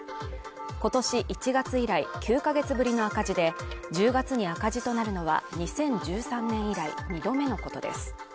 今年１月以来９か月ぶりの赤字で１０月に赤字となるのは２０１３年以来２度目のことです